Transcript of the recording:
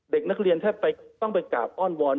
เด็กนักเรียนแทบต้องไปกราบอ้อนวอน